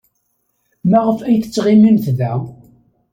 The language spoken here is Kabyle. Maɣef ay tettɣimimt da?